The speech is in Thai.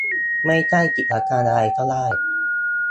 ไม่ใช่กิจการอะไรก็ได้